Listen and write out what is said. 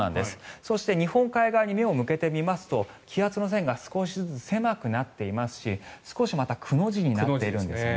そして日本海側に目を向けてみますと気圧の線が少しずつ狭くなっていますし少しまたくの字になっているんですね。